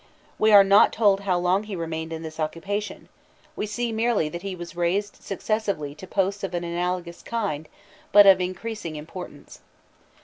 We are not told how long he remained in this occupation; we see merely that he was raised successively to posts of an analogous kind, but of increasing importance.